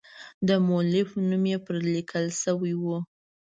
د مؤلف نوم یې پر لیکل شوی و.